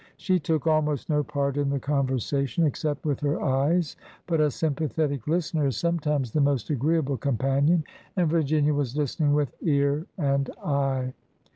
She took almost no part in the con versation, except with her eyes ; but a sympathetic listener is sometimes the most agreeable companion, and Virginia A GROWN UP MAN lOI was listening with ear and eye.